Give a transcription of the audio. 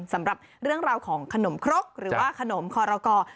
สำหรับเรื่องของขนมครกหรือว่าขนมคอลโลกอล์